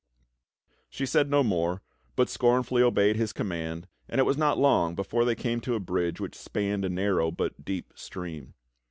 She said no more, but scornfully obeyed his command, and it was not long before they came to a bridge which spanned a narrow but deep stream.